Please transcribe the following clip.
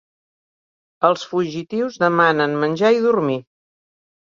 Els fugitius demanen menjar i dormir.